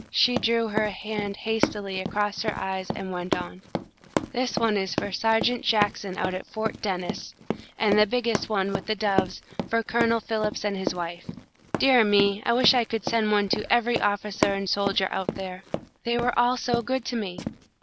She drew her hand hastily across her eyes and went on: "This one is for Sergeant Jackson out at Fort Dennis, and the biggest one, with the doves, for Colonel Philips and his wife. Dear me! I wish I could send one to every officer and soldier out there. They were all so good to me!"